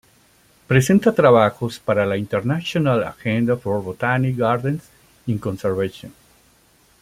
Presenta trabajos para la International Agenda for Botanic Gardens in Conservation.